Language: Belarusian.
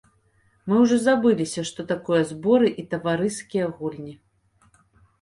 Мы ўжо забыліся, што такое зборы і таварыскія гульні.